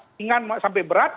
tingan sampai berat